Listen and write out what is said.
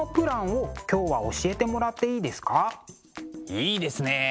いいですねえ！